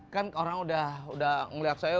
kan orang udah ngeliat saya